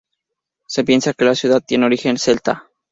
Se piensa que la ciudad tiene origen celta.